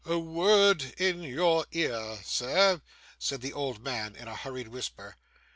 'A word in your ear, sir,' said the old man in a hurried whisper.